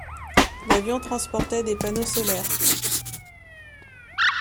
L'avion transportait des panneaux solaires.